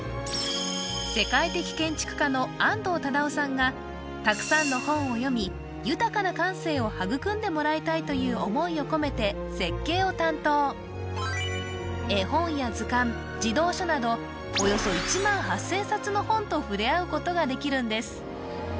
世界的建築家の安藤忠雄さんがたくさんの本を読み豊かな感性を育んでもらいたいという思いを込めて設計を担当などの本と触れ合うことができるんです